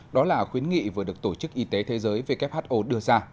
đó là khuyến nghị vừa được tổ chức y tế thế giới who đưa ra